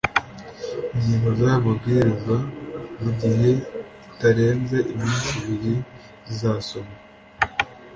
ingingo z aya mabwiriza mu gihe kitarenze iminsi ibiri zizasomwa